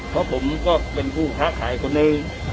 เพราะผมก็เป็นผู้ค้าขายคนหนึ่ง